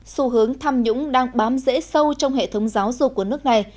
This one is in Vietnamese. xu hướng tham nhũng đang bám rễ sâu trong hệ thống giáo dục của nước này